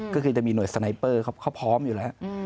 ก็คือจะมีหน่วยสไนเปอร์เขาพร้อมอยู่แล้ว